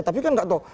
tapi kan tidak tahu